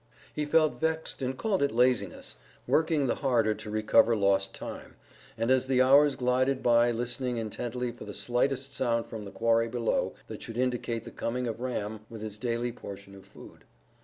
He felt vexed and called it laziness, working the harder to recover lost time, and as the hours glided by listening intently for the slightest sound from the quarry below that should indicate the coming of Ram with his daily portion of food.